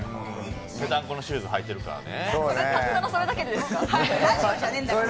ペタンコのシューズ履いてるからね。